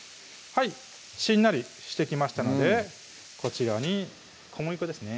しんなりしてきましたのでこちらに小麦粉ですね